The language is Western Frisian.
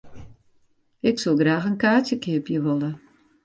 Ik soe graach in kaartsje keapje wolle.